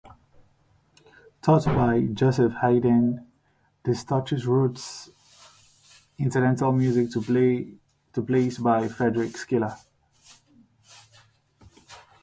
Taught by Joseph Haydn, Destouches wrote incidental music to some plays by Friedrich Schiller.